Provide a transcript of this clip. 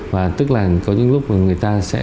và tức là có những lúc người ta sẽ